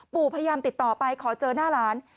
พยายามติดต่อไปขอเจอหน้าหลาน